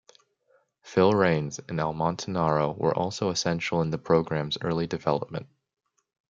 Phil Reines and Al Montanaro were also essential in the program's early development.